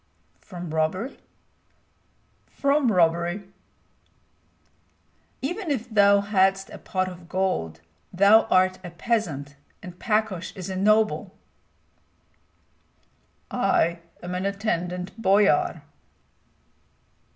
"From robbery?" "From robbery." "Even if thou hadst a pot of gold, thou art a peasant and Pakosh is a noble." "I am an attendant boyar."